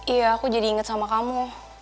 iya aku jadi inget sama kamu